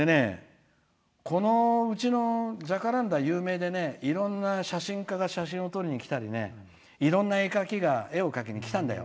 うちのジャカランダ有名でねいろんな写真家が写真を撮りにきたりいろんな絵描きが絵を描きにきたんだよ。